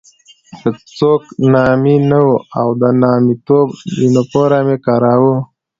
که څوک نامي نه وو او د نامیتوب یونیفورم یې کاراوه.